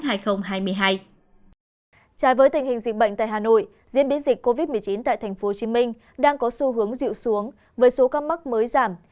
trải với tình hình dịch bệnh tại hà nội diễn biến dịch covid một mươi chín tại thành phố hồ chí minh đang có xu hướng dịu xuống với số các mắc mới giảm